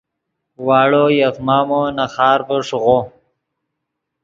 واڑو یف مامو نے خارڤے ݰیغو